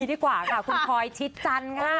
ดีกว่าค่ะคุณพลอยชิดจันทร์ค่ะ